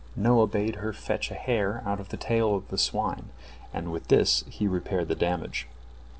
Noah bade her fetch a hair out of the tail of the swine, and with this he repaired the damage.